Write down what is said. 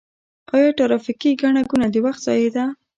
آیا ټرافیکي ګڼه ګوڼه د وخت ضایع ده؟